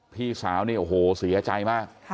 พี่สาวเนี่ยโอ้โหเสียใจมาก